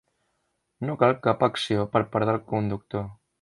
No cal cap acció per part del conductor.